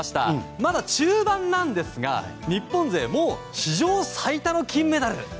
まだ中盤なんですが日本勢、史上最多の金メダル。